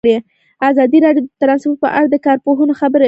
ازادي راډیو د ترانسپورټ په اړه د کارپوهانو خبرې خپرې کړي.